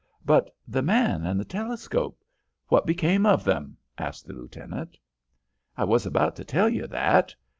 "But the man and the telescope what became of them?" asked the lieutenant. "I was about to tell you that.